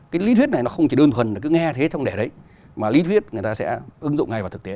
cái lý thuyết này nó không chỉ đơn thuần là cứ nghe thế thông đẻ đấy mà lý thuyết người ta sẽ ứng dụng ngay vào thực tế